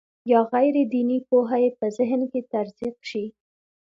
یا غیر دیني پوهه یې په ذهن کې تزریق شي.